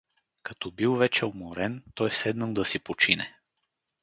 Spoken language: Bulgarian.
Като бил вече уморен, той седнал да си почине.